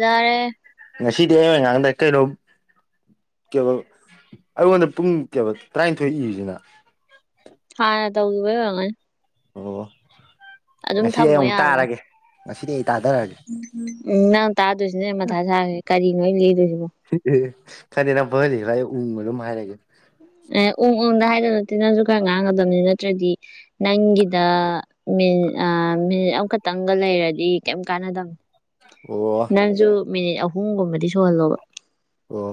ꯌꯥꯔꯦ ꯉꯁꯤꯗꯤ ꯑꯩ ꯑꯡꯉꯥꯡꯗꯏ ꯀꯩꯅꯣꯝ ꯀꯦꯕ ꯑꯩꯉꯣꯟꯗ ꯀꯦꯕ ꯄꯨꯡ ꯇꯔꯥꯅꯤꯊꯣꯏ ꯏꯔꯤꯁꯤꯅ ꯍꯥ ꯅ ꯇꯧꯒꯤꯕꯩ ꯑꫭꯏꯔꯝꯒꯅꯤ ꯑꯣ ꯉꯁꯤꯗꯤ ꯑꯩ ꯊꯝꯃꯣ ꯑꯃꯨꯛ ꯌꯥꯕꯅꯦ ꯇꯥꯔꯒꯦ ꯉꯁꯤꯗꯤ ꯑꯩ ꯇꯥꯊꯔꯛꯒꯦ ꯎꯝ ꯅꯪ ꯇꯥꯗꯣꯏꯁꯤꯅꯦ ꯃꯊ ꯆꯥ ꯀꯥꯔꯤ ꯅꯣ ꯑꯩ ꯂꯤꯗꫭꯏꯁꯤꯕꫭ [unintelligible] ꯈꯪꯗꯦ ꯅꯪ ꯄꯪꯂꯤ ꯂꯤꯔꫭ ꯑꯩ ꯎꯡ ꯑꯗꯨꯝ ꯍꯥꯏꯔꯒꯦ ꯑꯦ ꯎꯝ ꯎꯝꯗ ꯍꯥꯏꯗꯧ ꯅꯠꯇꯦ ꯅꯪꯁꯨ ꯈꯔ ꯉꯥꯡꯒꯗꯕꯅꯤ ꯅꯠꯇ꯭ꯔꯗꯤ ꯅꯪꯒꯤꯗ ꯃꯤꯅꯤꯠ ꯑ ꯃꯤꯅꯤꯠ ꯑꯃꯈꯛꯇꯪꯒ ꯂꯩꯔꯗꯤ ꯀꯩꯝ ꯀꯥꯟꯅꯗꯕꯅꯦ ꯑꯣ ꯅꯪꯁꯨ ꯃꯤꯅꯤꯠ ꯑꯍꯨꯝꯒꯨꯝꯕꯗꯤ ꯁꯨꯍꯜꯂꯣꯕ ꯑꯣ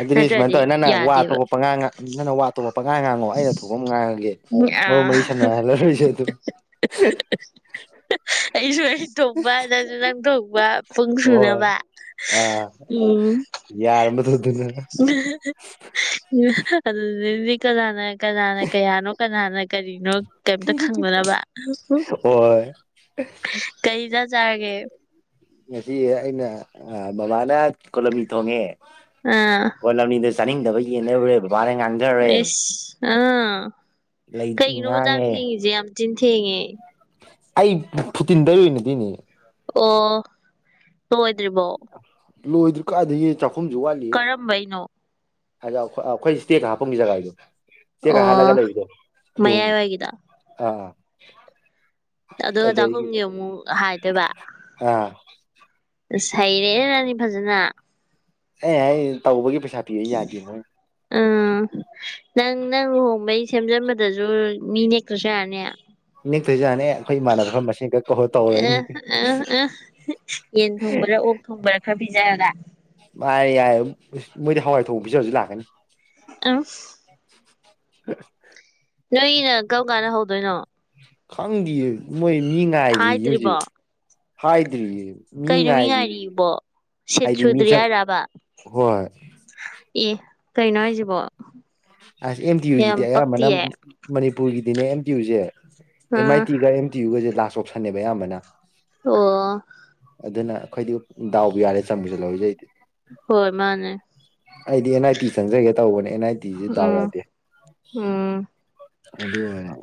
ꯑꯗꯨꯗꯤ ꯁꯨꯃꯥꯏꯅ ꯅꯠꯇ꯭ꯔꯗꯤ ꯇꯧꯋꯦ ꯅꯪꯅ ꯋꯥ ꯌꯥꯗꯦꯕ ꯑꯇꯣꯞꯄ ꯄꯉꯥ ꯉ ꯅꯪꯅ ꯑꯇꯣꯞꯄ ꯄꯪꯉꯥꯡ ꯉꯥꯡꯉꯣ ꯑꯩꯅ ꯊꯣꯛꯄ ꯑꯃ ꯉꯥꯡꯉꯒꯦ ꯑ ꯃꯔꯨꯞ ꯃꯔꯤ ꯁꯝꯅꯍꯜꯂꯔꯣꯏꯁꯦ ꯑꯗꯨꯝ [unintelligible] ꯑꯩꯁꯨ ꯑꯩ ꯊꯣꯛꯣꯛꯄ ꯅꯪꯁꯨ ꯅꯪ ꯊꯣꯛꯣꯛꯄ ꯄꯨꯡ ꯁꯨꯅꯕ ꯑ ꯌꯥꯔꯝꯅꯇ꯭ꯔꫭ ꯑꯗꯨꯅ [unintelligible] ꯑꯗꯨꯗꯗꯤ ꯀꯅꯥꯅ ꯀꯅꯥꯅ ꯀꯌꯥꯅꯣ ꯀꯅꯥꯅ ꯀꯔꯤꯅꯣ ꯀꯩꯝꯇ ꯈꯪꯗꯅꯕ [unintelligible] ꯍꯣꯏ ꯀꯩ ꯏꯟꯖꯥꯡ ꯆꯥꯔꯒꯦ ꯉꯁꯤ ꯑꯩꯅ ꯕꯕꯥꯅ ꯀꯣꯂꯝꯣꯃꯤ ꯊꯣꯡꯉꯦ ꯑꯥ ꯀꫭꯂꯝꯅꯤꯗꫭ ꯆꯥꯅꯤꯡꯗꯕꯩ ꯌꯦꯟ ꯂꯩꯔꯨꯔꯦ ꯕꯕꯥꯅ ꯉꯥꯅꯨ ꯑꯦꯁ ꯑꯥ ꯂꯩ ꯀꯩꯒꯤꯅꯣꯕ ꯆꯥꯛ ꯉꯥꯡꯉꯦ ꯊꯦꯡꯉꯤꯁꯦ ꯌꯥꯝ ꯇꯤꯟ ꯊꯦꯡꯉꯦ ꯑꯩ ꯐꯨꯇꯤꯟ ꯇꯩꯔꯨꯏꯅꯦ ꯑꯗꯨꯏꯅꯦ ꯑꯣ ꯂꯉꯣꯏꯗ꯭ꯔꯤꯕꯣ ꯂꯣꯏꯗ꯭ꯔꯤ ꯀꯥꯏꯗꯒꯤ ꯆꯥꯛꯈꯨꯝꯁꯨ ꯋꯥꯠꯂꯤ ꯀꯔꯝꯕꯩꯅꯣ ꯍꯥꯏꯗꯤ ꯑꯈꯣꯏ ꯑꯈꫭꯏ ꯏꯁ꯭ꯇꯦꯔ ꯀꯥꯈꯠꯄꯝꯒꯤ ꯖꯒꯥꯥꯏꯗꯣ ꯏꯁ꯭ꯇꯦꯔ ꯀꯥꯈꯠꯂꯒ ꯑꯣ ꯂꯩꯕꯗꯣ ꯑꯗꯨꯃꯨ ꯃꯌꯥꯏꯋꯥꯏꯒꯤꯗꯣ ꯑꯥ ꯑꯗꯨꯒ ꯑꯗꯒꯤ ꯆꯥꯛꯈꯨꯝꯒꯤ ꯑꯃꯨꯛ ꯍꯥꯏꯗꯣꯏꯕ ꯑꯥ ꯑ ꯍꯩꯔꯦ ꯔꯅꯤ ꯐꯖꯅ ꯑꯦ ꯑꯩ ꯇꯧꯕꯒꯤ ꯄꯩꯁꯥ ꯄꯤꯕ ꯌꯥꯗꯦꯅꯨ ꯎꯝ ꯅꯪ ꯅꯪ ꯂꯨꯍꯣꯡꯕꯩ ꯁꯦꯝꯖꯟꯕꯗꯁꯨ ꯃꯤ ꯅꯦꯛꯛꯇꯁꯨ ꯌꯥꯔꯅꯤ ꯅꯦꯛꯇꯣꯏꯖꯥꯠꯅꯦ ꯑꯩꯈꯣꯏ ꯏꯃꯥꯟꯅꯕ ꯈꯔ ꯃꯁꯤꯡ ꯈꯔ ꯀꯧꯔ ꯑ ꯇꯧꯔꯅꯤ ꯑ ꯑ ꯌꯦꯟ ꯊꯉꯕ꯭ꯔꯦ ꯑꯣ ꯊꯨꯝꯕꯔ ꯈꯔ ꯄꯤꯖꯗ ꯃꯥꯔꯦ ꯌꯥꯏꯌꯦ ꯃꯣꯏꯗꯤ ꯍꯋꯥꯏ ꯊꯣꯡꯖ ꯍꯧꯖꯤꯛ ꯂꯥꯛꯀꯅꯤ ꯑ ꯑ ꯅꯩꯅ ꯀꯔꯧ ꯀꯥꯟꯗ ꯍꯧꯗꯣꯏꯅꯣ ꯈꯪꯗꯌꯦ ꯃꯣꯏ ꯃꯤ ꯉꯥꯏꯔꯤ ꯍꯧꯖꯤꯛ ꯍꯥꯏꯗ꯭ꯔꯤꯕꯣ ꯍꯥꯏꯗ꯭ꯔꯤꯌꯦ ꯃꯤ ꯀ ꯅꯨꯣꯃꯤ ꯉꯥꯏꯔꯤꯌꯦ ꯉꯥꯏꯔꯤꯕꯔꯤꯕꯣ ꯁꯤꯦꯠ ꯍꯥꯏꯗꯤ ꯃꯤ ꯁꯨꯗ꯭ꯔꯤ ꯆꯪ ꯍꯥꯏꯔꯕ ꯍꯣꯏ ꯑꯦ ꯀꯩꯅꯣ ꯍꯥꯏꯁꯤꯕꯣ ꯑꯁ ꯑꯦꯝ ꯇꯤ ꯌꯨ ꯌꯥꯝ ꯁꯤꯗꯤ ꯑꯌꯥꯝꯕꯅ ꯄꯛꯇꯤꯌꯦ ꯃꯅꯤꯄꯨꯔꯒꯤꯗꯤꯅꯦ ꯑꯦꯝ ꯇꯤ ꯌꯨꯁꯦ ꯑꯦꯝ ꯑꯥꯏ ꯑꯥ ꯇꯤꯒ ꯑꯦꯝ ꯇꯤ ꯌꯨꯒꯁꯦ ꯂꯥꯁ ꯑꯣꯞꯁꯟꯅꯦꯕ ꯑꯌꯥꯝꯕꯅ ꯑꯣ ꯑꯗꯨꯅ ꯑꯩꯈꯣꯏꯗꯤ ꯗꯥꯎꯕ ꯌꯥꯔꯦ ꯆꯪꯃꯤꯁꯨ ꯂꯧꯖꯩꯗꯤ ꯍꯣꯏ ꯃꯥꯅꯦ ꯑꯩꯗꯤ ꯑꯦꯟ ꯑꯥꯏ ꯇꯤ ꯆꯪꯖꯒꯦ ꯇꯧꯕꯅꯦ ꯑꯦꯟ ꯑꯥꯏ ꯒꯤꯖꯦ ꯗꯥꯎ ꯎꯝ ꯌꯥꯗꯦ ꯎꯝ ꯑꯗꯨꯏꯅꯦ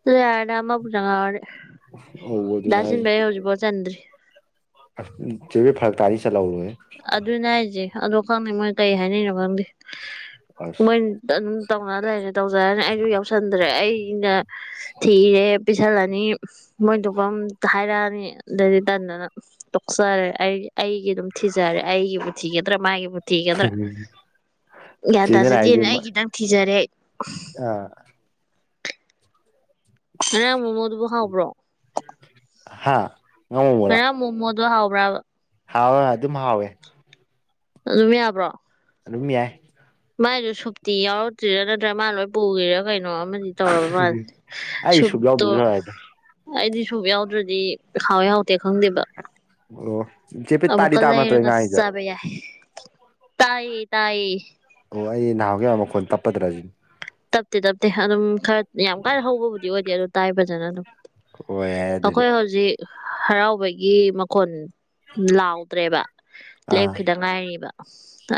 ꯑꯗꯨ ꯌꯥꯔꯅ ꯑꯃ ꯄꯨꯔ ꯍꯧꯕ ꯑꯗꯨꯅꯦ ꯗꯁꯤꯟ ꯄꯔ ꯍꯧꯖꯤ ꯄꯠꯇꯔꯤ ꯆꯕ ꯐꯜꯀ ꯆꯂꯥꯎꯦ ꯑꯗꯨꯅꯦ ꯍꯥꯏꯁꯦ ꯑꯗꯣ ꯈꯪꯗꯦ ꯃꯣꯏ ꯀꯩ ꯍꯥꯏꯅꯤꯡꯅꯣ ꯈꯪꯗꯦ ꯃꯣꯏ ꯑꯁ ꯑꯗꯨꯝ ꯇꯧꯅ ꯂꯩꯔꯦ ꯇꯧꯖꯔꯅꯤ ꯑꯩꯁꯨ ꯌꯥꯎꯁꯟꯗ꯭ꯔꯦ ꯑꯩꯅ ꯊꯤꯔꯦ ꯄꯤꯁꯜꯂꯅꯤ ꯃꯣꯏꯗꯨꯐꯝꯝ ꯍꯥꯏꯔꯛꯑꯅꯤ ꯑꯗꯩꯗꯤ ꯇꯟꯗꯅ ꯇꯣꯛꯆꯔꯦ ꯑꯩ ꯑꯩꯒꯤ ꯑꯗꯨꯝ ꯊꯤꯖꯔꯦ ꯑꯩꯒꯤꯕꯨ ꯊꯤꯒꯗ꯭ꯔꯥ ꯃꯥꯒꯤꯕꯨ ꯊꯤꯒꯗ꯭ꯔꯥ ꯒ꯭ꯌꯥꯟ ꯆꯦꯗꯅ ꯇꯥꯖꯗꯦꯅ ꯑꯩ ꯈꯤꯇꯪ ꯊꯤꯖꯔꯦ ꯑ ꯑ ꯃꯣꯃꯣꯗꯕꯨ ꯍꯥꯥꯕ꯭ꯔꯣ ꯍꯥꯥ ꯍꯔ ꯃꯣꯃꯣꯗꯣ ꯍꯥꯎꯕ꯭ꯔꯥꯕ ꯍꯥꯎ ꯑꯗꯨꯝ ꯍꯥꯎꯋꯦ ꯑꯗꯨꯝ ꯌꯥꯕ꯭ꯔꯣ ꯑꯗꯨꯝ ꯌꯥꯏ ꯃꯥꯏꯗꯨꯣ ꯁꯨꯞꯇꯤ ꯌꯥꯎꯔꯛꯇ꯭ꯔꯥ ꯅꯠꯇ꯭ꯔꯥ ꯃꯥ ꯂꯣꯏ ꯄꯨꯈꯤꯦꯔ ꯀꯩꯅꯣ ꯑꯃꯗꯤ ꯇꯧꯔꯕ ꯃꯥꯜꯂꯦ ꯑꯩ ꯁꯨꯛ ꯁꯨꯛꯇꯣ ꯌꯥꯎꯗ꯭ꯔꯁꯨ ꯌꯥꯏꯗ ꯑꯩꯗꯤ ꯁꯨ ꯌꯥꯎꯗ꯭ꯔꯗꯤ ꯍꯥꯎꯋꯦ ꯍꯥꯎꯇꯦ ꯈꯪꯗꯦꯕ ꯑꯣ ꯄꯦ ꯑꯕꯨ ꯇꯥꯗꯤ ꯀꯜ ꯇꯥꯕ ꯂꯩ ꯅꯠꯇ꯭ꯔꯣ ꯂꯩꯔ ꯑꯩ ꯀꯁ ꯉꯥꯡꯉꯤꯁꯦ ꯆꯕ ꯌꯥꯏ ꯇꯌꯦ ꯇꯌꯦ ꯑꯣ ꯑꯩ ꯅꯍꯥꯟꯒꯤ ꯃꯈꯣꯟꯜ ꯇꯞꯄꯗ꯭ꯔꯥꯁꯤꯅꯤ ꯇꯞꯇꯦ ꯇꯞꯇꯦ ꯑꯗꯨꯝ ꯈꯔ ꯌꯥꯝ ꯀꯥꯏꯅ ꯍꯧꯕꯕꯨꯗꯤ ꯑꯣꯏꯗꯦ ꯑꯗꯨ ꯇꯥꯏ ꯐꯖꯅ ꯑꯗꯨꯝ ꯑꯣ ꯌꯥꯏ ꯑꯗꯨꯗꯤ ꯑꯩꯈꯣꯏ ꯍꯧꯖꯤꯛ ꯍꯔꯥꯎꯕꯒꯤ ꯃꯈꯣꯟ ꯂꯥꯎꯗ꯭ꯔꯦꯕ ꯑꯥ ꯂꯦꯞꯈꯤꯗ ꯉꯥꯏꯔꯤꯕ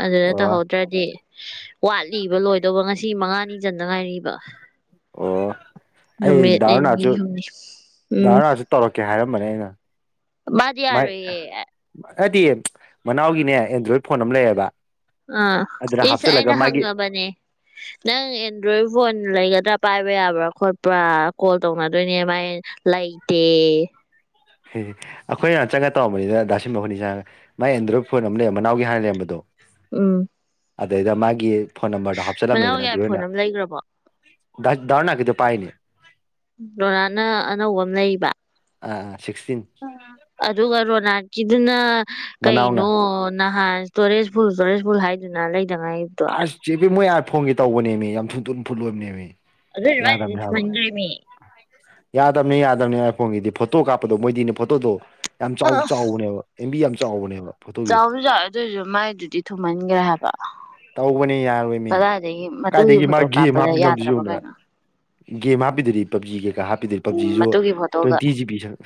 ꯑꯗꯨꯅ ꯑꯣ ꯇꯧꯍꯧ ꯅꯠꯇ꯭ꯔꯗꯤ ꯋꯥꯠꯂꯤꯕ ꯂꯣꯏꯗꯧꯕ ꯉꯁꯤ ꯃꯉꯥꯅꯤ ꯆꯟꯗ ꯉꯥꯏꯔꯤꯕ ꯑꯣ ꯑꯩ ꯅꯨꯃꯤꯠ ꯗꯥꯔꯅꯥꯁꯨ ꯅꯤꯅꯤ ꯍꯨꯝꯅꯤ ꯎꯝ ꯗꯥꯔꯅꯥꯁꯨ ꯇꯧꯔꯛꯀꯦ ꯍꯥꯏꯔꯝꯕꯅꯦ ꯑꯩꯅ ꯃꯥꯏ ꯗꯤꯔ ꯏ ꯍꯥꯏꯗꯤ ꯃꯅꯥꯎꯒꯤꯅꯦ ꯑꯦꯟꯗ꯭ꯔꯣꯏꯗ ꯐꯣꯟ ꯑꯃ ꯂꯩꯌꯦꯕ ꯑꯥ ꯑꯗꯨꯗ ꯏꯁꯁ ꯍꯥꯞꯆꯤꯜꯂꯒ ꯑꯩꯅ ꯃꯥꯒꯤ ꯍꯪꯉꯕꯅꯦ ꯅꯪ ꯑꯦꯟꯗ꯭ꯔꯣꯏꯗ ꯐꯣꯟ ꯂꯩꯒꯗ꯭ꯔꯥ ꯄꯥꯏꯕ ꯌꯥꯕ꯭ꯔꯥ ꯈꯣꯠꯄ꯭ꯔꯥ ꯀꯣꯜ ꯇꯧꯅꯗꯣꯏꯅꯦ ꯃꯥꯏ ꯂꯩꯥꯏꯇꯦ ꯑꯩꯈꯣꯏꯅ ꯆꯪꯉꯒ ꯇꯧꯝꯕꯅꯤꯅ ꯗꯥꯁꯤꯟ ꯃꯈꯣꯏꯅꯤ ꯆꯥꯡ ꯃꯥꯏ ꯑꯦꯟꯗ꯭ꯔꯣꯏꯗ ꯐꯣꯟ ꯑꯃ ꯂꯩ ꯃꯅꯥꯎꯒꯤ ꯍꯥꯟꯅ ꯂꯩꯔꯝꯕꯗꯣ ꯎꯝ ꯑꯗꯨꯗꯩꯗ ꯃꯥꯒꯤ ꯐꯣꯟ ꯅꯝꯕꯔꯗꯣ ꯍꯥꯞꯆꯤꯂꯝꯃꯦꯗꯅ ꯃꯅꯥꯎꯒꯤ ꯑꯗꯨ ꯑꯣꯏꯅ ꯑꯥꯏꯐꯣꯟ ꯑꯃ ꯂꯩꯈ꯭ꯔꯕꯣ ꯗꯥꯔ ꯀꯗ ꯄꯥꯏꯅꯦ ꯔꯣꯅꯥꯥꯅ ꯑꯅꯧꯕ ꯑꯃ ꯂꯩꯕ ꯑ ꯁꯤꯛꯁꯇꯤꯟ ꯑꯗꯨꯒ ꯔꯣꯅꯥꯜꯀꯤꯗꯨꯅ ꯀꯩꯅꯣ ꯃꯅꯥꯎꯅ ꯅꯍꯥꯟ ꯇꯨꯔꯦꯁ ꯐꯕꯨꯜ ꯇꯨꯔꯦꯖ ꯐꯕꯨꯜ ꯍꯥꯏꯗꯨꯅ ꯂꯩꯗꯅꯥꯏ ꯑꯥꯔꯠ ꯆꯦꯕꯤ ꯃꯣꯏ ꯑꯥꯔꯠ ꯐꯣꯡꯦ ꯇꯧꯕꯅꯦꯃꯤ ꯌꯥꯝ ꯁꯨꯇꯨꯅ ꯐꯨꯠꯂꯣꯏꯕꯅꯦꯃꯤ ꯑꯗꯨꯏꯁꯨ ꯌꯥꯗ ꯑꯃ ꯃꯥꯏꯗꯨꯗꯤ ꯌꯥꯕ ꯊꯨꯝꯍꯟꯈ꯭ꯔꯦꯃꯤ ꯌꯥꯗꯕꯅꯦ ꯌꯥꯗꯕꯅꯦ ꯑꯥꯏ ꯐꯣꯟꯒꯤꯗꯤ ꯐꯣꯇꯣ ꯀꯥꯞꯄꯗꯣ ꯃꯣꯏꯗꯤꯅꯦ ꯐꯣꯇꯣꯗꯣ ꯌꯥꯝ ꯆꯥꯎ ꯑ ꯆꯥꯎꯕꯅꯦꯕ ꯑꯦꯝꯕꯤ ꯌꯥꯝ ꯆꯥꯎꯕꯅꯦꯕꯣ ꯆꯥꯎꯕ ꯆ ꯑꯗꯨꯏꯁꯨ ꯃꯥꯏꯗꯨꯗꯤ ꯊꯨꯝꯍꯟꯈ꯭ꯔꯦ ꯍꯥꯏꯕ ꯇꯧꯕꯅꯦ ꯌꯥꯔꯣꯏꯅꯦ ꯀꯗꯥꯏꯗꯒꯤ ꯃꯇꯨꯒꯤ ꯀꯥꯏꯗꯒꯤ ꯃꯥ ꯐꯣꯇꯣ ꯒꯦꯝ ꯀꯥꯞꯄꯗ ꯍꯥꯞꯄꯣꯗꯨ ꯌꯥꯗ꯭ꯔꯕ ꯆꯨꯗꯅ ꯀꯩꯅꯣ ꯒꯦꯝ ꯍꯥꯞꯄꯤꯗꯣꯏꯔꯤ ꯄꯕꯖꯤ ꯀꯩꯀꯥ ꯍꯥꯞꯄꯤꯗꯣꯏꯔꯤ ꯎꯝ ꯄꯕꯖꯤꯁꯨ ꯃꯇꯨꯒꯤ ꯐꯣꯇꯣꯒ ꯇ꯭ꯋꯦꯟꯇꯤ ꯖꯤꯕꯤ ꯁꯪ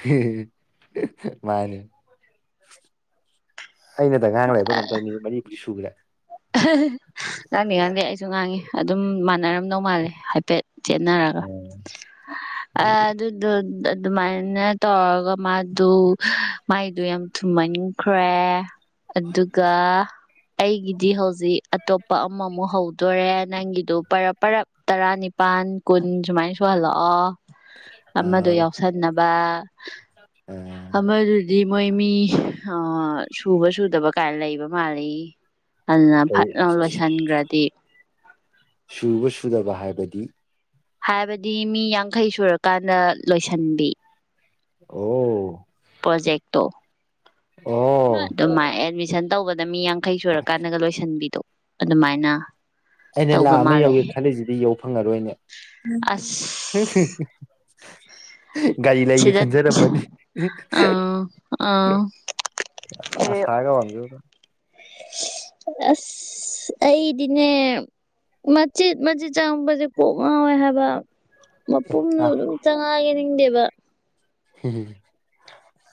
ꯃꯥꯅꯦ ꯑꯩꯅꯗ ꯉꯥꯡ ꯂ ꯂꯩꯕ ꯀꯝ ꯇꯧꯅꯤ ꯃꯅꯤꯄꯨꯔꯤ ꯁꯨꯈ꯭ꯔꯦ ꯉꯥꯡꯗꯦ ꯉꯥꯡꯗꯦ ꯑꯩꯁꯨ ꯉꯥꯡꯉꯤ ꯑꯗꯨꯝ ꯃꯥꯟꯅꯔꯝꯗꯧ ꯃꯥꯜꯂꯦ ꯍꯥꯏꯐꯦꯠ ꯆꯦꯟꯅꯔꯒ ꯑ ꯑꯗꯨ ꯑꯗꯨ ꯑꯗꯨꯃꯥꯏꯅ ꯇꯧꯔꯒ ꯃꯥꯗꯨ ꯃꯥꯏꯗꯨꯣ ꯌꯥꯝ ꯊꯨꯝꯃꯅꯤ ꯈ꯭ꯔꯦ ꯑꯗꯨꯒ ꯑꯩꯒꯤ ꯗꯤ ꯍꯧꯖꯤꯛ ꯑꯇꯣꯞꯄ ꯑꯃꯃꯨꯛ ꯍꯧꯗꯣꯔꯦ ꯅꯪꯒꯤꯗꯣ ꯄꯔꯞ ꯇꯔꯥꯅꯤꯄꯥꯜ ꯀꯟ ꯁꯨꯃꯥꯏꯅꯁꯨꯣꯍꯜꯂꯛꯑꯣ ꯑꯃꯗ ꯑꯥꯎ ꯌꯥꯎꯁꯟꯅꯕ ꯑꯥ ꯑꯃꯗꯨꯗꯤ ꯃꯣꯏ ꯃꯤ ꯁꯨꯕ ꯁꯨꯗꯕ ꯀꯥꯏꯅ ꯂꯩꯕ ꯃꯥꯜꯂꯤ ꯑꯗꯨꯅ ꯀꯩ ꯐꯠ ꯂꯥꯑꯣꯅꯥ ꯂꯣꯏꯁꯤꯟꯈ꯭ꯔꯗꯤ ꯁꯨꯕ ꯁꯨꯗꯕ ꯍꯥꯏꯕꯗꯤ ꯍꯥꯏꯕꯗꯤ ꯃꯤ ꯌꯥꯡꯈꯩ ꯁꯨꯔꯀꯥꯟꯗ ꯂꯣꯏꯁꯟꯕꯤ ꯑꯣ ꯄ꯭ꯔꯣꯖꯦꯛ ꯇꯣ ꯑꯣ ꯑꯗꯨꯃꯥꯏꯅ ꯑꯦꯠꯃꯤꯁꯟ ꯇꯧꯕꯗ ꯃꯤ ꯌꯥꯡꯈꯩ ꯁꯨꯔꯀꯥꯟꯗꯒ ꯂꯣꯏꯁꯟꯕꯤꯗꯣ ꯑꯗꯨꯃꯥꯏꯅ ꯑꯩꯅ ꯇꯧꯕ ꯂꯥꯛꯑ ꯑꯃ ꯌꯧꯒꯦ ꯈꯜꯂꯤꯁꯤꯗꯤ ꯌꯧ ꯐꯪꯉꯔꯣꯏꯅꯦ ꯑꯁꯁ ꯍ ꯒꯥꯔꯤ ꯂꯩꯒꯦ ꯁꯤꯗ ꯈꯟꯖꯔꯝꯃꯅꯤ ꯑꯥ ꯑꯥ ꯑꯁꯒ ꯋꯥꯕꯤꯔꯨꯅꯨ [inaudible] [unintelligible] ꯑꯁ ꯑꯩꯗꯤꯅꯦ ꯃꯆꯤꯠ ꯃꯆꯤꯠ ꯆꯪꯕꯁꯦ ꯀꯣꯛꯛ ꯉꯥꯎꯋꯦ ꯍꯥꯏꯕ ꯃꯄꯨꯝꯗꯨꯗ ꯅꯥ ꯑꯗꯨꯝ ꯆꯪꯉꯛꯑꯒꯦ ꯅꯤꯡꯗꯦꯕ ꯍꯝ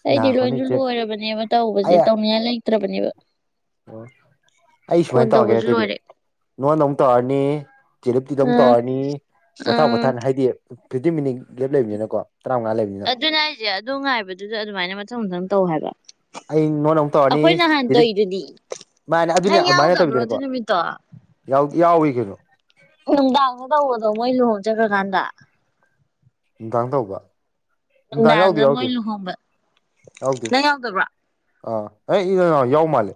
ꯑꯩꯗꯤ ꯂꯣꯏꯁꯨ ꯂꯣꯏꯔꯕꯅꯦꯕ ꯑꯩ ꯇꯧꯕꯁꯦ ꯇꯧꯅꯤꯉꯥꯏ ꯂꯩꯇ꯭ꯔꯕꯅꯦꯕ ꯑꯣ ꯑꯩ ꯐꯣꯟ ꯁꯨꯃꯥꯏꯅ ꯇꯧꯋꯥꯒꯦꯔ ꯇꯧꯕꯁꯨ ꯑꯗꯨꯗꯤ ꯂꯣꯏꯔꯦ ꯅꯣꯟꯗ ꯑꯃꯨꯛ ꯇꯧꯔꯅꯤ ꯆꯦꯂꯞꯇꯤꯗ ꯑꯃꯨꯛ ꯑꯥ ꯇꯧꯔꯅꯤ ꯄꯣꯊꯥ ꯑꯥ ꯄꯣꯊꯥꯅꯤ ꯍꯥꯏꯗꯤ ꯐꯤꯞꯇꯤꯟ ꯃꯤꯅꯤꯠ ꯒꯞ ꯂꯩꯕꯅꯤꯅꯀꯣ ꯇꯔꯥꯃꯉꯥ ꯂꯩꯕꯅꯤꯅ ꯑꯦ ꯑꯗꯣ ꯉꯥꯏꯕꯗꯨꯗ ꯑꯗꯨꯃꯥꯏꯅ ꯃꯊꯪ ꯃꯊꯪ ꯇꯧ ꯍꯥꯏꯕ ꯑꯩ ꯉꯣꯟꯗ ꯑꯃꯨꯛ ꯇꯧꯔꯅꯤ ꯑꯩꯈꯣꯏ ꯅꯍꯥꯟ ꯗꯤꯞ [inaudible] ꯇꯧꯔꯤꯗꯨꯗꯤ [unintelligible] ꯃꯥꯥꯏꯅ ꯑꯗꯨꯅꯦ ꯅꯪ ꯑꯗꯨꯃꯥꯏꯅ ꯌꯥꯎꯗꯕ꯭ꯔꯣ ꯑꯗꯨ ꯅꯥꯠꯇꯕꯤꯗꯅꯤꯀꯣ ꯅꯨꯃꯤꯠꯇꯣ ꯌꯥꯎꯑꯦ ꯀꯩꯅꯣ ꯅꯨꯡꯗꯥꯡꯗ ꯇꯧꯕꯗꯣ ꯃꯣꯏ ꯂꯨꯍꯣꯡ ꯆꯈ꯭ꯔꯀꯥꯟꯗ ꯅꯨꯡꯗꯥꯡ ꯇꯧꯕ ꯅꯨꯡꯗꯥꯡ ꯌꯥꯎꯗꯣ ꯅꯨꯡꯗꯥꯡꯗ ꯃꯣꯏ ꯌꯥꯎꯗꯣ ꯂꯨꯍꯣꯡꯕ ꯌꯥꯎꯗꯦ ꯅꯪ ꯌꯥꯎꯗꯕ꯭ꯔꯣ ꯑ [unintelligible] ꯃꯥꯜꯂꯦ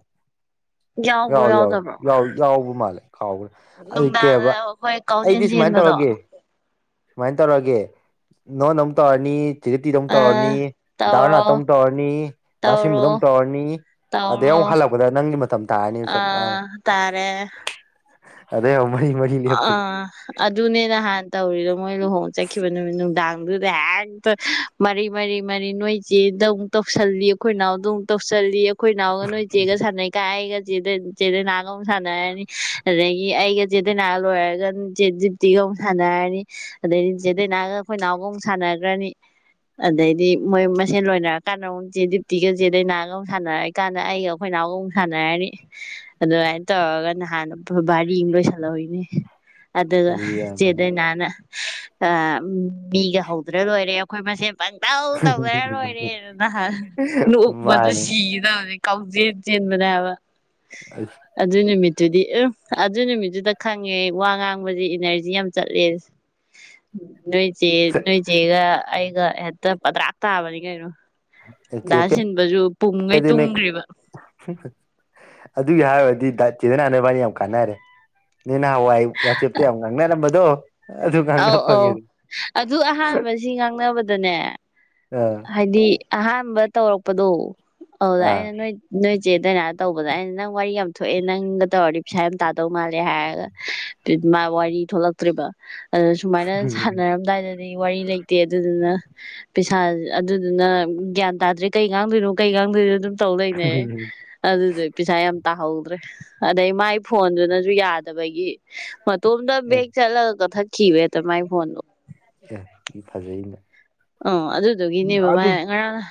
ꯌꯥꯎꯕ꯭ꯔꯣ ꯌꯥꯎꯋ ꯌꯥꯎꯗꯕ꯭ꯔꯣ ꯌꯥꯎꯋ ꯌꯥꯎꯕ ꯃꯥꯜꯂꯦ ꯈꯥꯎꯈ꯭ꯔꯦ ꯑꯗꯨ ꯀꯩ ꯅꯨꯡꯗꯥꯡꯗ ꯍꯥꯏꯕ ꯑꯩꯈꯣꯏ ꯀꯥꯎꯖꯦꯟ ꯑꯩꯗꯤ ꯁꯨꯃꯥꯏꯅ ꯆꯦꯟꯕꯗꯣ ꯇꯧꯔꯒꯦ ꯁꯨꯃꯥꯏꯅ ꯇꯧꯔꯒꯦ ꯅꯉꯣꯟꯗꯥ ꯑꯃꯨꯛ ꯇꯧꯔꯅꯤ ꯆꯤꯒꯇꯤꯗ ꯑꯃꯨꯛ ꯑ ꯇꯧꯔꯅꯤ ꯇꯧꯔꯣ ꯗꯥꯔꯅꯥꯠꯇ ꯃꯨꯛ ꯇꯧꯔꯅꯤ ꯇꯧꯔꯣ ꯗꯥꯁꯤꯟꯕꯗ ꯃꯨꯛ ꯇꯧꯔꯅꯤ ꯑꯗꯩ ꯇꯧꯔꯣ ꯑꯃꯨꯛ ꯍꯜꯂꯛꯄꯗ ꯅꯪꯒꯤ ꯃꯇꯝ ꯇꯥꯔꯅꯤ ꯑ ꯆꯞ ꯥꯆꯥꯅ ꯇꯥꯔꯦ ꯑꯗꯩꯩ ꯑꯃꯨꯛ ꯃꯔꯤ ꯃꯔꯤ ꯑꯥ ꯑꯗꯨꯅꯦ ꯅꯍꯥꯟ ꯇꯧꯔꯤꯗꯣ ꯃꯣꯏ ꯂꯨꯍꯣꯡ ꯆꯠꯈꯤꯕ ꯅꯨꯃꯤꯠ ꯅꯨꯡꯗꯥꯡ ꯑꯗꯨꯗ ꯍꯦꯛꯇ ꯃꯔꯤ ꯃꯔꯤ ꯃꯔꯤ ꯅꯣꯏ ꯆꯦꯗ ꯑꯃꯨꯛ ꯇꯧꯁꯜꯂꯤ ꯑꯩꯈꯣꯏ ꯅꯥꯎꯗ ꯃꯨꯛ ꯇꯧꯁꯜꯂꯤ ꯑꯩꯈꯣꯏ ꯅꯥꯎꯒ ꯅꯣꯏ ꯆꯦꯒ ꯁꯥꯟꯅꯩ ꯀ ꯑꯩꯒ ꯆꯗ ꯆꯦꯗ ꯅꯥꯒꯝ ꯁꯥꯟꯅꯔꯅꯤ ꯑꯗꯒꯤ ꯑꯩꯒ ꯆ ꯆꯦ ꯗꯥꯏꯅ ꯂꯣꯏꯔꯒ ꯆꯦ ꯗꯤꯞꯇꯤꯒ ꯑꯃꯨꯛ ꯁꯥꯟꯅꯔꯅꯤ ꯑꯗꯩꯗꯤ ꯆꯦꯗꯩꯅꯥꯒ ꯑꯩꯈꯣꯏ ꯅꯥꯎꯒ ꯑꯃꯨꯛ ꯁꯥꯟꯅꯒ꯭ꯔꯅꯤ ꯑꯗꯩꯗꯤ ꯃꯣꯏ ꯃꯁꯦꯟ ꯂꯣꯏꯅꯔꯀꯥꯟꯗ ꯑꯃꯨꯛ ꯆꯦꯠꯗꯤꯞꯇꯤꯒ ꯆꯦ ꯗꯥꯏꯅꯥꯒ ꯑꯃꯨꯛ ꯁꯥꯟꯅꯔꯅꯤ ꯑꯩꯒ ꯑꯩꯈꯣꯏ ꯅꯥꯎꯒꯨꯝ ꯁꯥꯟꯅꯔꯅꯤ ꯑꯗꯨꯃꯥꯏꯅ ꯇꯧꯔꯒ ꯅꯍꯥꯟꯅ ꯚꯥꯔꯤ ꯑꯃ ꯂꯣꯏꯁ ꯂꯣꯢꯅꯤ ꯑꯗꯨꯒ ꯑꯗꯨꯗꯤ ꯌꯥꯔꯕ ꯆꯦꯗꯏꯅꯥꯅ ꯑ ꯃꯤꯒ ꯍꯧꯗ꯭ꯔ ꯂꯣꯏꯔꯦ ꯑꯩꯈꯣꯏ ꯃꯁꯦꯟ ꯄꯪꯇꯧ ꯇꯧꯅꯔ ꯂꯣꯏꯔꯦ ꯑꯗꯨ ꯅꯍ ꯅꯣꯛꯄꯗꯨ ꯃꯥꯅꯦ ꯁꯤꯒꯦ ꯇꯧꯋꯦ ꯀꯥꯎꯖꯦꯟ ꯆꯦꯟꯕꯅꯦ ꯍꯥꯏꯕ [unintelligible] ꯑꯗꯨ ꯅꯨꯃꯤꯠꯇꯨꯗꯤ ꯑ ꯑꯗꯨ ꯅꯨꯃꯤꯠꯇꯨꯗ ꯈꯪꯉꯦ ꯋꯥ ꯉꯥꯡꯕꯖꯦ ꯏꯅꯔꯖꯤ ꯌꯥꯝ ꯆꯠꯂꯦꯖꯦ ꯅꯣꯏꯆꯦ ꯅꯣꯏꯆꯦꯒ ꯑꯩꯒ ꯍꯦꯛꯇ ꯄꯗ꯭ꯔꯥꯛ ꯇꯥꯕꯅꯤ ꯀꯩꯅꯣ ꯆꯦ ꯗꯥ ꯁꯤꯟꯕꯁꯨ ꯄꯨꯝꯒꯩ ꯄꯦꯗꯤ ꯅꯣꯏ ꯇꯨꯝꯒ꯭ꯔꯤꯕ [unintelligible] ꯑꯗꯨꯒꯤ ꯍꯥꯏꯨꯔꯗꯤ ꯗ ꯆꯦ ꯗꯥꯏꯅ ꯅꯣꯏꯕꯥꯟꯅꯤ ꯌꯥꯝ ꯀꯥꯟꯅꯔꯦ ꯅꯣꯢ ꯉꯍꯥꯟ ꯋꯥꯏ ꯋꯥꯆꯦꯞꯇ ꯌꯥꯝ ꯉꯥꯡ ꯅꯔꯝꯕꯗꯨꯣ ꯑꯧ ꯑꯧ ꯑꯗꯨ ꯑꯍꯥꯟꯕ ꯁꯤ ꯉꯥꯡꯅꯕꯗꯅꯦ ꯑꯥ ꯍꯥꯏꯗꯤ ꯑꯍꯥꯟꯕ ꯇꯧꯔꯛꯄꯗꯣ ꯑꯗꯨꯗ ꯑꯥ ꯑꯩꯅ ꯅꯣꯏ ꯅꯣꯏꯆꯦ ꯗꯥꯏꯅꯥ ꯇꯧꯕꯗ ꯑꯩꯅ ꯅꯪ ꯋꯥꯔꯤ ꯌꯥꯝ ꯊꯣꯛꯑꯦ ꯅꯪꯒ ꯇꯧꯔꯗꯤ ꯄꯩꯁꯥ ꯌꯥꯝ ꯇꯥꯗꯧ ꯃꯥꯜꯂꯦ ꯍꯥꯏꯔꯒ ꯃꯥ ꯋꯥꯔꯤ ꯊꯣꯛꯂꯛꯇ꯭ꯔꯦꯔꯤꯕ ꯑꯗꯨ ꯁꯨꯃꯥꯏꯅ ꯁꯥꯟꯅꯔꯝꯗꯥꯏꯗꯗꯤ ꯑꯗꯩ ꯋꯥꯔꯤ ꯂꯩꯇꯦ ꯑꯗꯨꯗꯨꯅ ꯄꯩꯁꯥ ꯑꯗꯨꯗꯨꯅ ꯒ꯭ꯌꯥꯟ ꯇꯥꯗ꯭ꯔꯦ ꯀꯩ ꯉꯥꯡꯗꯣꯏꯅꯣ ꯀꯩ ꯉꯥꯡꯗꯣꯏꯅꯣ ꯑꯗꯨꯝ ꯇꯧ ꯂꯩꯅꯩ ꯑꯗꯨꯗꯒ ꯄꯩꯁꯥ ꯌꯥꯝ ꯇꯥꯍꯧꯗ꯭ꯔꯦ ꯑꯗꯩ ꯃꯥꯏ ꯐꯣꯟꯗꯨꯅꯖꯨ ꯌꯥꯗꯕꯒꯤ ꯃꯇꯣꯝꯇ ꯑꯦ ꯕꯦꯛ ꯆꯠꯂꯒꯒ ꯀꯛꯊꯠꯈꯤꯕ ꯍꯦꯛꯇ ꯃꯥꯏ ꯐꯣꯟꯗꯣ ꯑꯦ ꯐꯖꯩꯅ ꯑꯣ ꯑꯗꯨꯗꯨꯒꯤꯅꯦꯕ ꯃꯥꯏ ꯉꯔꯥꯡꯅ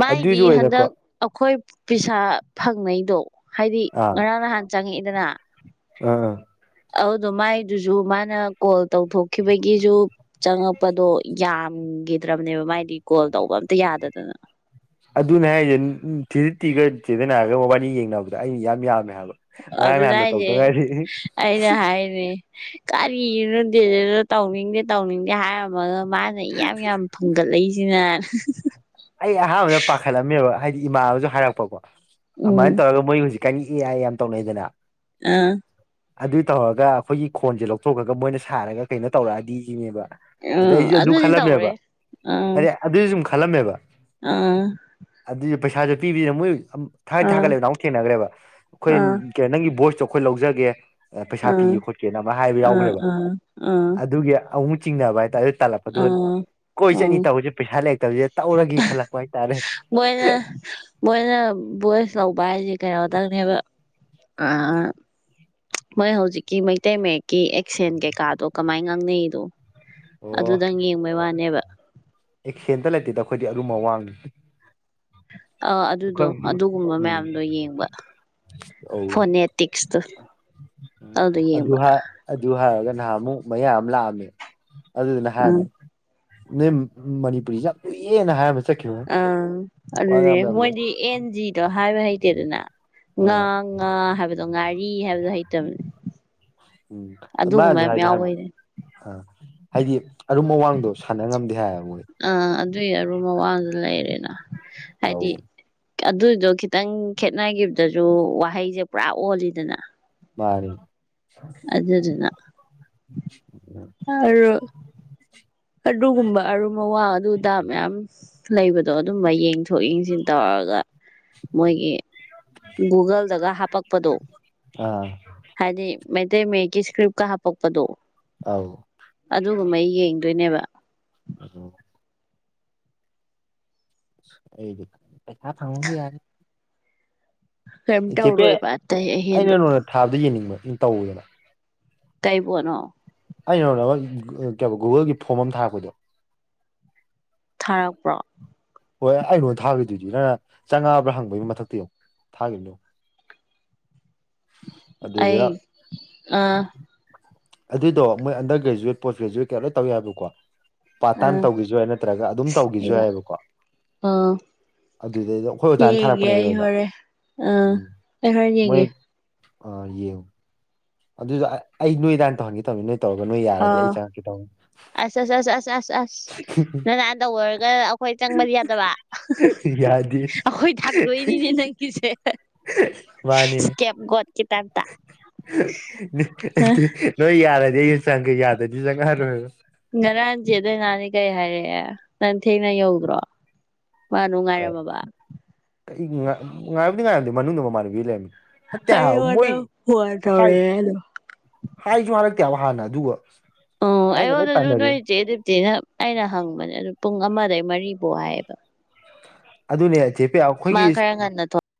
ꯃꯥꯏꯗꯤ ꯑꯗꯨꯏꯁꯨ ꯑꯣꯏꯅꯀꯣ ꯍꯟꯗꯛ ꯑꯩꯈꯣꯏ ꯄꯩꯁꯥ ꯐꯪꯅꯩꯗꯣ ꯍꯥꯏꯗꯤ ꯉꯔꯥꯡ ꯅꯍꯥꯟ ꯆꯪꯉꯛꯏꯗꯅ ꯑ ꯑꯗꯨꯗꯣ ꯃꯥꯏꯗꯨꯖꯨ ꯃꯥꯅ ꯀꯣꯜ ꯇꯧꯊꯣꯛꯈꯤꯕꯒꯤꯖꯨ ꯆꯪꯉꯛꯄꯗꯣ ꯌꯥꯝꯒꯤꯗ꯭ꯔꯕꯅꯦꯕ ꯃꯥꯏꯗꯤ ꯀꯣꯜ ꯇꯧꯕ ꯑꯝꯇ ꯌꯥꯗꯗꯅ ꯑꯗꯨꯅꯦ ꯍꯥꯏꯔꯤꯁꯦ ꯆꯦ ꯗꯤꯞꯇꯤꯒ ꯆꯦ ꯗꯥꯏꯅꯥꯒ ꯃꯕꯥꯏꯅꯤ ꯌꯦꯡꯅꯕꯗ ꯑꯩꯅ ꯏꯌꯥꯝ ꯌꯥꯝꯃꯦ ꯍꯥꯏꯕ ꯉꯔꯥꯡ ꯑꯗꯨꯅꯦ ꯅꯍꯥꯟꯗ ꯍꯥꯏꯔꯤꯖꯦ ꯇꯧꯗ ꯉꯥꯏꯔꯤ ꯑꯩꯅ ꯍꯥꯏꯅꯦ ꯀꯔꯤꯅꯣ ꯗꯦꯅꯤꯟꯅ ꯇꯧꯅꯤꯡꯗꯦ ꯇꯧꯅꯤꯡꯗꯦ ꯍꯥꯏꯔꯝꯃꯒ ꯃꯥꯅ ꯏꯌꯥꯝ ꯌꯥꯝ ꯐꯪꯒꯠꯂꯛꯏꯖꯤꯅ ꯑꯩ ꯑꯍꯥꯟꯕꯗ ꯄꯥꯈꯠꯂꯝꯃꯦꯕ ꯍꯥꯏꯗꯤ ꯏꯃꯥꯟꯕꯖꯨ ꯍꯥꯏꯔꯛꯄꯀꯣ ꯎꯝ ꯑꯗꯨꯃꯥꯏꯅ ꯇꯧꯔꯒ ꯃꯣꯏ ꯍꯧꯖꯤꯛ ꯀꯥꯟꯒꯤ ꯑꯦꯑꯏ ꯌꯥꯝ ꯇꯧꯅꯩꯗꯅ ꯑ ꯑꯗꯨꯏ ꯇꯧꯔꯒ ꯑꯩꯈꯣꯏꯒꯤ ꯈꯣꯟꯖꯦ ꯂꯧꯊꯣꯛꯈ꯭ꯔꯒ ꯃꯣꯏꯅ ꯁꯥꯔꯒ ꯀꯩꯅꯣ ꯇꯧꯔꯛꯑꯗꯤ ꯁꯤꯅꯦꯕ ꯑꯗꯩ ꯎꯝ ꯑꯩꯖꯨ ꯑꯗꯨ ꯑꯗꯨꯗꯤ ꯇꯧꯔꯦ ꯈꯜꯂꯝꯃꯦꯕ ꯑꯥ ꯍꯥꯏꯗꯤ ꯑꯗꯨꯁꯨ ꯁꯨꯝ ꯈꯜꯂꯝꯃꯦꯕ ꯑꯥ ꯑꯗꯨꯏ ꯄꯩꯁꯥꯁꯨ ꯄꯤꯕꯤꯗꯅ ꯃꯣꯏ ꯊꯥꯠ ꯑꯥ ꯊꯥꯒꯠꯂꯦꯕꯗ ꯑꯃꯨꯛ ꯊꯦꯡꯅꯈ꯭ꯔꯦꯕ ꯑꯥ ꯑꯩꯈꯣꯏ ꯀꯦ ꯅꯪꯒꯤ ꯚꯣꯏꯁꯇꯣ ꯑꯩꯈꯣꯏ ꯂꯧꯖꯒꯦ ꯄꯩꯁꯥ ꯑꯥ ꯄꯤꯒꯦ ꯈꯣꯠꯀꯦꯅ ꯑꯃ ꯍꯥꯏꯕ ꯑꯥ ꯌꯥꯎꯈ꯭ꯔꯦꯕ ꯑꯥ ꯑꯥ ꯑꯗꯨꯒꯤ ꯑꯃꯨꯛ ꯆꯤꯡꯅꯕ ꯍꯥꯏꯇꯥꯔꯦ ꯑꯗꯨ ꯇꯥꯜꯂꯛꯄꯗꯨ ꯑꯥ ꯀꯣꯏ ꯆꯠꯅꯤ ꯎꯝ ꯇꯧꯕꯁꯦ ꯄꯩꯁꯥ ꯂꯩꯔꯛꯇꯕꯁꯦ ꯇꯧꯔꯒ ꯈꯜꯂꯛꯄ ꯍꯥꯏꯇꯥꯔꯦ ꯃꯣꯏꯅ ꯃꯣꯏꯅ ꯚꯣꯏꯁ ꯂꯧꯕ ꯍꯥꯏꯁꯦ ꯀꯩꯅꯣꯗꯪꯅꯦꯕ ꯃꯣꯏ ꯍꯧꯖꯤꯛꯀꯤ ꯃꯩꯇꯩ ꯃꯌꯦꯛꯀꯤ ꯑꯦꯛꯁꯦꯟ ꯀꯩꯀꯥꯗꯣ ꯀꯃꯥꯏꯅ ꯉꯥꯡꯅꯩꯗꯣ ꯑꯗꯨꯗꯪ ꯌꯦꯡꯕꯩ ꯋꯥꯅꯦꯕ ꯑꯦ ꯁꯦꯟꯇ ꯂꯩꯇꯦꯗ ꯑꯩꯈꯣꯏꯗꯤ ꯑꯔꯨꯝꯕ ꯋꯥꯡꯅꯤ ꯑ ꯑꯗꯨꯗꯣ ꯑꯗꯨꯒꯨꯝꯕ ꯎꯝ ꯃꯌꯥꯝꯗꯣ ꯌꯦꯡꯕ ꯐꯣꯟꯅꯦꯇꯤꯛꯁꯇ ꯑ ꯨꯍꯥ ꯑꯗꯨ ꯍꯥꯏꯔꯒ ꯅꯍꯥꯟ ꯑꯃꯨꯛ ꯃꯌꯥꯝ ꯑꯃ ꯂꯥꯛꯑꯝꯃꯦ ꯑꯗꯨꯗꯨꯅ ꯎꯝ ꯍꯥꯟꯅꯤꯝ ꯎꯝ ꯃꯅꯤꯄꯨꯔꯤꯁꯦ ꯌꯥꯝ ꯂꯨꯏꯑꯦꯅ ꯍꯥꯏꯔꯝꯁꯦ ꯑꯥ ꯑꯗꯨꯅꯦ ꯂꯨꯏ ꯃꯣꯏꯗꯤ ꯑꯦꯟ ꯖꯤꯗꯣ ꯍꯥꯏꯕ ꯍꯩꯇꯦꯗꯅ ꯉꯥ ꯑ ꯉꯥ ꯍꯥꯏꯕꯗꯣ ꯉꯥꯔꯤ ꯍꯥꯏꯕꯗꯣ ꯍꯩꯇꯕꯅꯦ ꯎꯝ ꯑꯗꯨꯒꯨꯝꯕ ꯃꯥꯅꯥꯖꯨ ꯌꯥꯝ ꯍꯥꯏꯗꯤ ꯍꯥꯏꯕꯥ ꯌꯥꯎꯕꯩꯅꯦ ꯑꯥ ꯍꯥꯏꯗꯤ ꯑꯔꯨꯝ ꯑꯋꯥꯡꯗꯣ ꯁꯥꯟꯅ ꯉꯝꯗꯦ ꯍꯥꯏꯗꯦꯕ ꯃꯣꯏ ꯑꯥ ꯑꯗꯨꯏ ꯑꯔꯣꯟꯕ ꯋꯥꯖꯨ ꯂꯩꯔꯦꯅ ꯑꯧ ꯍꯥꯏꯗꯤ ꯑꯗꯨꯗꯣ ꯈꯤꯇꯪ ꯈꯦꯠꯅꯈꯤꯕꯗꯁꯨ ꯋꯥꯍꯩꯁꯦ ꯄꯨꯔꯥ ꯑꯣꯜꯂꯤꯗꯅ ꯃꯥꯅꯦ ꯑꯗꯨꯗꯨꯅ ꯍꯔꯣꯠ ꯑꯗꯨꯒꯨꯝꯕ ꯑꯔꯨꯝꯕ ꯋꯥ ꯑꯗꯨꯗꯥ ꯃꯌꯥꯝ ꯂꯩꯕꯗꯣ ꯑꯗꯨꯝꯕ ꯌꯦꯡꯗꯣꯏ ꯏꯟꯊꯣꯛ ꯏꯟꯁꯤꯟ ꯇꯧꯔꯒ ꯃꯣꯏꯒꯤ ꯒꯨꯒꯜꯗꯒ ꯍꯥꯄꯛꯄꯗꯣ ꯑꯥ ꯍꯥꯏꯗꯤ ꯃꯩꯇꯩ ꯃꯌꯦꯛꯀꯤ ꯏꯁꯀ꯭ꯔꯤꯞꯀ ꯍꯥꯞꯄꯛꯄꯗꯣ꯫ ꯑꯥꯎ ꯑꯗꯨꯒꯨꯝꯕꯩ ꯌꯦꯡꯗꯣꯏꯅꯦꯕ ꯑꯗꯨ ꯑꯩꯗꯨ ꯄꯦꯁꯥ ꯊꯥꯥꯎꯅꯤ ꯌꯥꯔ ꯀꯩ ꯇꯧꯔꯣ ꯏꯕ ꯑꯇꯩ ꯑꯍꯦꯟꯕ ꯊꯥꯗ ꯌꯦꯡꯅꯤꯡꯕ ꯏꯟ ꯇꯧꯋꯦꯕ꯫ ꯇꯩꯄꯣꯠꯅꯣ ꯑꯩꯅ ꯀꯣ ꯅꯪꯉꯣꯟ ꯀꯩꯕ ꯒꯨꯒꯜꯒꯤ ꯐꯣꯝ ꯑꯃ ꯊꯥꯔꯛꯄꯗꯣ ꯊꯥꯔꯛꯄ꯭ꯔꯣ ꯍꯣꯏ ꯑꯩ ꯅꯉꯣꯟꯗ ꯊꯥꯈꯤꯗꯣꯏꯗꯨ ꯅꯪꯅ ꯆꯪꯉꯥꯕ꯭ꯔꯥ ꯍꯪꯕꯒꯤ ꯃꯊꯛꯇ ꯌꯦꯡꯎ ꯊꯥꯈꯤꯕꯅꯦ꯫ ꯑꯗꯨꯗ ꯑꯩ ꯑꯥ ꯑꯗꯨꯗꯣ ꯃꯣꯏ ꯑꯟꯗꯔ ꯒ꯭ꯔꯦꯖꯨꯋꯦꯠ ꯄꯣꯁ ꯒ꯭ꯔꯦꯖꯨꯋꯦꯠ ꯀ ꯂꯣꯏ ꯇꯧ ꯌꯥꯏꯕꯀꯣ ꯄꯥꯠ ꯇꯥꯏꯝ ꯑꯥ ꯇꯧꯒꯦꯖꯨ ꯌꯥꯏ ꯅꯠꯇ꯭ꯔꯒ ꯑꯗꯨꯝ ꯑꯩ ꯇꯧꯒꯦꯖꯨ ꯌꯥꯏꯑꯑꯦꯕꯀꯣ ꯑꯥ ꯑꯩꯈꯣꯏ ꯑꯣꯖꯥꯅ ꯌꯦꯡꯒꯦ ꯊꯥꯔꯛꯄꯅꯦꯕ ꯑꯩ ꯑꯩꯉꯣꯟꯗ ꯍꯣꯔꯦꯟ ꯑ ꯑꯩ ꯍꯣꯔꯦꯟ ꯌꯦꯡꯒꯦ ꯑ ꯌꯦꯑꯣ ꯑꯗꯨꯗ ꯑꯩ ꯑꯩ ꯅꯣꯏꯗꯍꯥꯟꯅ ꯇꯧꯍꯟꯒꯦ ꯇꯧꯅꯤ ꯅꯣꯏ ꯇꯧꯔꯒ ꯅꯣꯏ ꯌꯥꯔꯗꯤ ꯑꯥ ꯑꯩ ꯆꯪꯉꯛꯀꯦ ꯇꯧꯅꯤ꯫ ꯑꯁ ꯑꯁ ꯑꯁ ꯑꯁ ꯑꯁ ꯑꯁ ꯅꯪꯅꯥ ꯇꯧꯕꯔꯒ ꯑꯩꯈꯣꯏ ꯆꯪꯕꯗꯤ ꯌꯥꯗꯕ ꯌꯥꯗꯦ ꯑꯈꯣꯏ ꯊꯥꯡꯗꯣꯏꯅꯤꯅꯦ ꯅꯪ ꯀꯤꯁꯦ ꯃꯥꯅꯤ ꯑꯦꯞ ꯒꯣꯠꯀꯤ ꯇꯥꯏꯞ ꯅꯣꯏ ꯌꯥꯔꯗꯤ ꯑꯩꯒ ꯆꯪꯉꯛꯀꯦ ꯌꯥꯗꯗꯤ ꯆꯪꯉꯔꯣꯏꯔꯣꯕ ꯉꯔꯥꯡ ꯆꯦ ꯗꯥꯏꯅꯗꯤ ꯀꯩ ꯍꯥꯏꯔꯛꯑꯦ ꯅꯪ ꯊꯦꯡꯅ ꯌꯧꯗ꯭ꯔꯣ ꯃꯥ ꯅꯨꯡꯉꯥꯏꯔꯃꯕ ꯑꯩ ꯉꯥꯏꯕꯨꯗꯤ ꯉꯥꯏꯔꯝꯗꯦ ꯃꯅꯨꯡꯗ ꯃꯃꯥꯟꯅꯕꯤ ꯂꯩꯔꯝꯃꯤ ꯅꯠꯇꯦ ꯍꯥꯏꯕ ꯃꯣꯏ ꯑꯩꯉꯣꯟꯗ ꯐꯣꯟ ꯍꯥꯏ ꯇꯧꯔꯛꯑꯦ ꯑꯗꯨꯝ ꯍꯥꯏꯖꯨ ꯍꯥꯏꯔꯛꯇꯦꯕ ꯍꯥꯟꯅ ꯑꯗꯨꯒ ꯑꯣ ꯑꯩꯅ ꯂꯣꯏ ꯑꯩꯉꯣꯟꯗꯁꯨ ꯇꯥꯟꯅꯔꯦ ꯅꯣꯏꯆꯦ ꯗꯤꯞꯇꯤꯅ ꯑꯩꯅ ꯍꯪꯕꯅꯦ ꯑꯗꯨꯗ ꯄꯨꯡ ꯑꯃꯗꯩ ꯃꯔꯤꯐꯥꯎ ꯍꯥꯏꯌꯦꯕ ꯑꯗꯨꯅꯦ ꯆꯦꯄꯤꯌꯥ ꯃꯥ ꯑꯩꯈꯣꯏꯒꯤ ꯈꯔ ꯉꯟꯅ